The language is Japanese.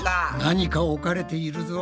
何か置かれているぞ。